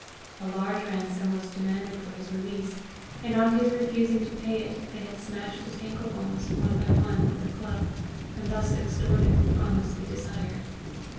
A large ransom was demanded for his release, and on his refusing to pay it they had smashed his ankle bones, one by one, with a club, and thus extorted the promise they desired.